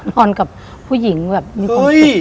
นอนกับผู้หญิงแบบมีความสุข